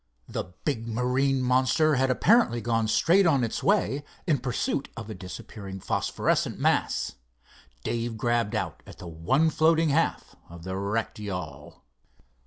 The big marine monster had apparently gone straight on its way in pursuit of a disappearing phosphorescent mass. Dave grabbed out at the one floating half of the wrecked yawl.